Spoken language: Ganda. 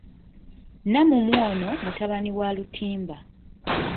Namumwa ono mutabani wa Lutimba.